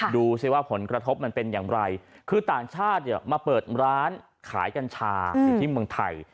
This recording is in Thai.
ดูสิว่าผลกระทบมันเป็นอย่างไรคือต่างชาติเนี่ยมาเปิดร้านขายกัญชาอยู่ที่เมืองไทย